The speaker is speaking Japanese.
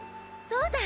そうだ！